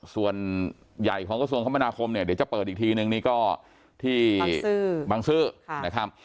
ส่วนใหญ่ของกระทรวงคมนาคมเนี่ยเดี๋ยวจะเปิดอีกทีนึงนี่ก็ที่บังซื้อนะครับ